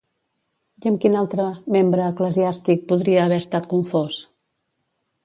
I amb quin altre membre eclesiàstic podria haver estat confós?